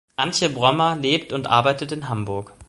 Antje Bromma lebt und arbeitet in Hamburg.